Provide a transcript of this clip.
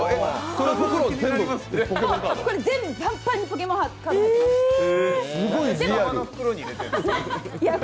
これ全部、パンパンにポケモンカードが入ってます。